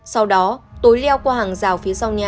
sau đó tối leo qua hàng rào phía sau nhà